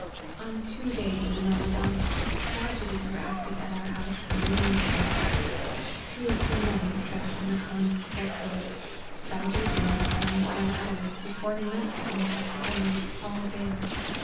" On two days in the Ramazan, t^$edies were acted at our house, in the women's ccrirt. Two or three men, dressed in the Khan's co'\rt robes, spouted ^nd sung for an hour, before an immense concourse of women, all veiled.